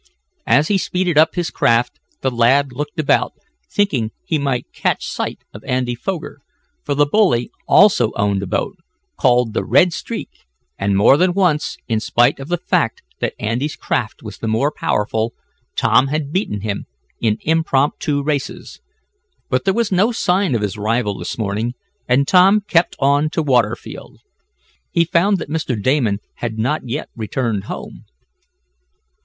As he speeded up his craft, the lad looked about, thinking he might catch sight of Andy Foger, for the bully also owned a boat, called the Red Streak and, more than once, in spite of the fact that Andy's craft was the more powerful, Tom had beaten him in impromptu races. But there was no sign of his rival this morning, and Tom kept on to Waterfield. He found that Mr. Damon had not yet returned home.